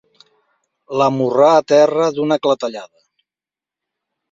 L'amorrà a terra d'una clatellada.